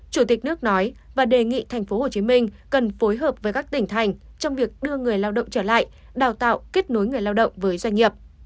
chủ tịch nước nói và đề nghị tp hcm cần phối hợp với các tỉnh thành trong việc đưa người lao động trở lại đào tạo kết nối người lao động với doanh nghiệp